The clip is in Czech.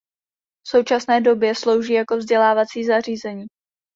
V současné době slouží jako vzdělávací zařízení.